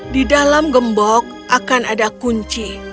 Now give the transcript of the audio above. di dalam gembok akan ada kunci